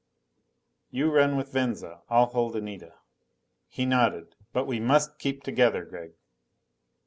"You run with Venza. I'll hold Anita." He nodded. "But we must keep together, Gregg."